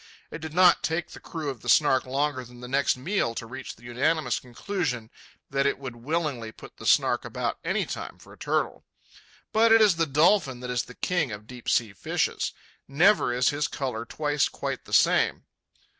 It did not take the crew of the Snark longer than the next meal to reach the unanimous conclusion that it would willingly put the Snark about any time for a turtle. But it is the dolphin that is the king of deep sea fishes. Never is his colour twice quite the same.